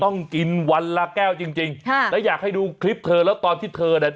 ต้องกินวันละแก้วจริงจริงค่ะแล้วอยากให้ดูคลิปเธอแล้วตอนที่เธอเนี่ย